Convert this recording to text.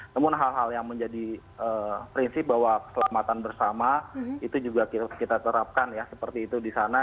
namun hal hal yang menjadi prinsip bahwa keselamatan bersama itu juga kita terapkan ya seperti itu di sana